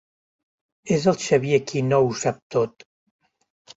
És el Xavier qui no ho sap tot.